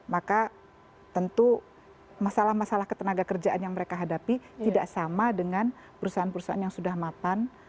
maka tentu masalah masalah ketenaga kerjaan yang mereka hadapi tidak sama dengan perusahaan perusahaan yang sudah mapan